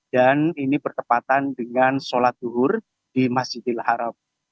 dan ini bertepatan dengan sholat duhur di masjidil haram